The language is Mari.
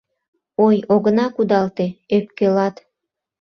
Ой, огына кудалте — ӧпкелат.